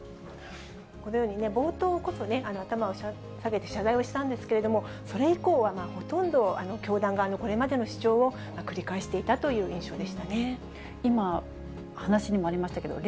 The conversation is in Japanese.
このように、冒頭こそ頭を下げて謝罪をしたんですけれども、それ以降は、ほとんど教団側のこれまでの主張を繰り返していたという印象でし今、話にもありましたけれど